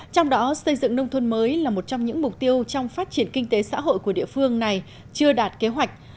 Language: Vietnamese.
trong đó xây dựng nông thôn mới là một trong những mục tiêu trong phát triển kinh tế xã hội của địa phương này chưa đạt kế hoạch